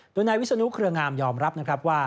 โดยนายวิศนุเครืองามยอมรับว่า